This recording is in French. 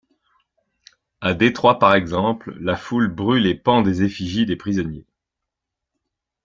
À Détroit par exemple, la foule brûle et pend des effigies des prisonniers.